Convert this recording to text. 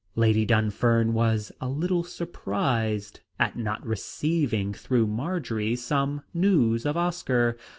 Lady Dunfern was a little surprised at not receiving through Marjory some news of Oscar.